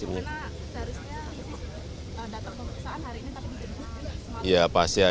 karena seharusnya datang ke perusahaan hari ini tapi diberi buku